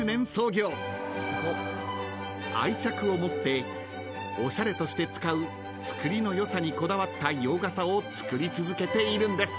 ［愛着を持っておしゃれとして使う作りの良さにこだわった洋傘を作り続けているんです］